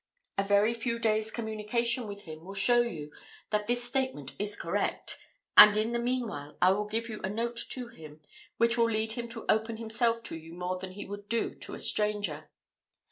A very few days' communication with him will show you that this statement is correct; and in the meanwhile I will give you a note to him, which will lead him to open himself to you more than he would do to a stranger.